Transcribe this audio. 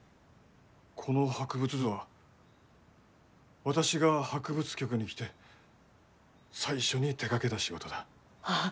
この博物図は私が博物局に来て最初に手がけた仕事だ。ああ。